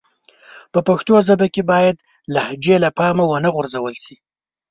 په پښتو ژبه کښي بايد لهجې له پامه و نه غورځول سي.